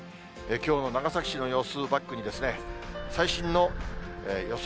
きょうの長崎市の様子をバックに、最新の予想